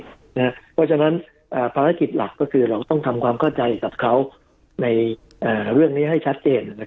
เพราะฉะนั้นภารกิจหลักก็คือเราต้องทำความเข้าใจกับเขาในเรื่องนี้ให้ชัดเจน